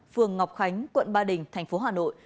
phường ngọc khánh quận ba đình tp hà nội